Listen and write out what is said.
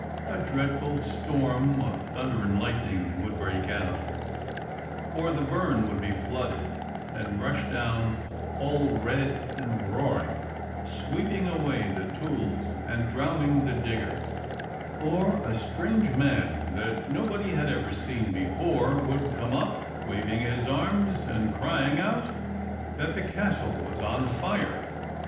A dreadful storm of thunder and lightning would break out; or the burn would be flooded, and rush down all red and roaring, sweeping away the tools and drowning the digger; or a strange man, that nobody had ever seen before, would come up, waving his arms, and crying out that the Castle was on fire.